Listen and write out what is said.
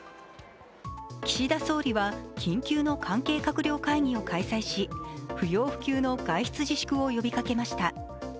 岸田総理は緊急の関係閣僚会議を開催し、不要不急の外出自粛を呼びかけました。